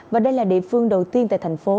và đây là địa phương đầu tiên tại thành phố